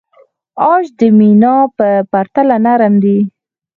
عاج د مینا په پرتله نرم دی.